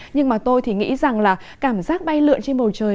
nhưng mà tôi thì nghĩ rằng là cảm giác bay lượn trên bầu trời